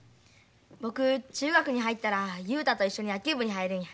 僕中学に入ったら雄太と一緒に野球部に入るんや。